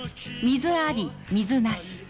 水あり水なし